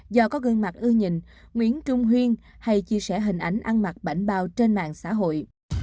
do có gương mặt ưu nhìn nguyễn trung huyên hay chia sẻ hình ảnh ăn mặc bảnh bao trên mạng xã hội